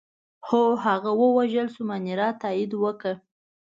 هو، هغه ووژل شو، مانیرا تایید وکړه.